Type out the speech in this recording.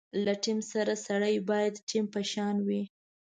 له ټیم سره سړی باید ټیم په شان وي.